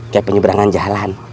kayak penyeberangan jalan